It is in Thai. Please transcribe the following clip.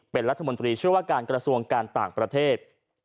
เป็นรัฐมนตรีเชื่อว่าการกระทรวงการต่างประเทศ